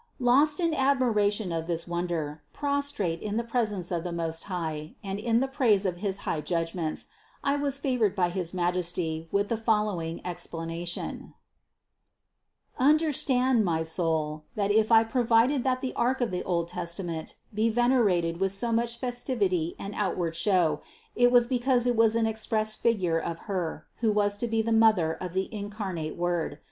418. Lost in admiration of this wonder, prostrate in the presence of the Most High and in the praise of his high judgments, I was favored by his Majesty with the following explanation: "Understand, my soul, that if I provided that the ark of the old Testament be venerated with so much festivity and outward show, it was because it was an express figure of Her, who was to be the Mother of the incarnate Word.